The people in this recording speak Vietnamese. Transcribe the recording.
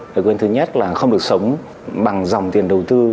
lời khuyên thứ nhất là không được sống bằng dòng tiền đầu tư